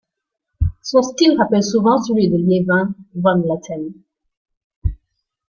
Son style rappelle souvent celui de Liévin van Lathem.